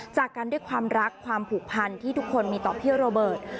จากกันด้วยความรักความผูกพันที่ทุกคนมีต่อพี่โรเบิร์ต